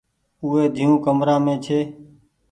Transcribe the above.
اوئي ۮييون ڪمرآ مين ڇي۔